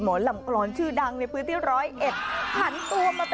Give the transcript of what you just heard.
มอลำคลายเสียงมาแล้วมอลำคลายเสียงมาแล้ว